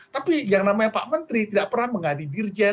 tapi yang namanya pak menteri tidak pernah mengganti dirjaya